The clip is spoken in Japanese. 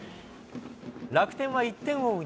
楽天は１点を追う